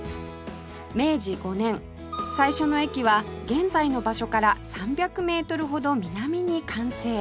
明治５年最初の駅は現在の場所から３００メートルほど南に完成